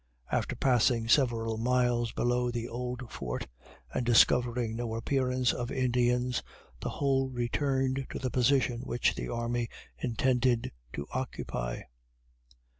After passing several miles below the old fort, and discovering no appearance of Indians, the whole returned to the position which the army intended to occupy.